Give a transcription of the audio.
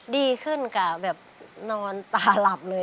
ดีขึ้นกะแบบนอนตาหลับเลย